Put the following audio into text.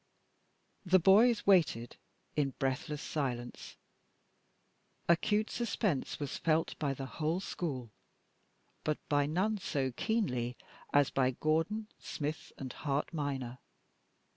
The boys waited in breathless silence. Acute suspense was felt by the whole school, but by none so keenly as by Gordon, Smith, and Hart minor.